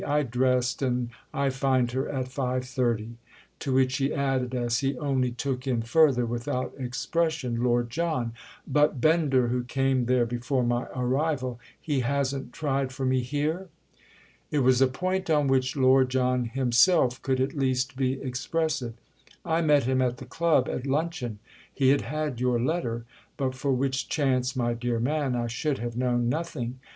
I dressed and I find her at five thirty." To which he added as he only took in further, without expression, Lord John: "But Bender, who came there before my arrival—he hasn't tried for me here?" It was a point on which Lord John himself could at least be expressive. "I met him at the club at luncheon; he had had your letter—but for which chance, my dear man, I should have known nothing.